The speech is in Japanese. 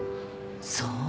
そう。